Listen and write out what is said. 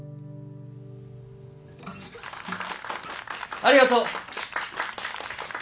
ありがとう。